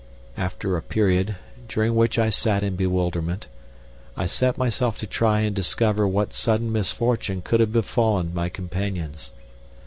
After a period, during which I sat in bewilderment, I set myself to try and discover what sudden misfortune could have befallen my companions.